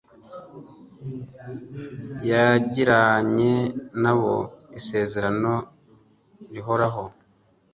Yagiranye na bo isezerano rihoraho,